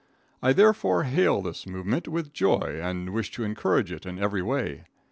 I therefore hail this movement with joy and wish to encourage it in every way.